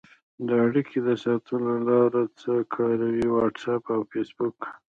د اړیکې د ساتلو لاره څه کاروئ؟ واټساپ او فیسبوک